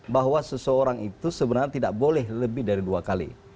bahwa seseorang itu sebenarnya tidak boleh lebih dari dua kali